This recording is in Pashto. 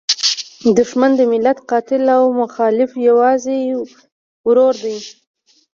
دوښمن د ملت قاتل او مخالف یوازې ورور دی.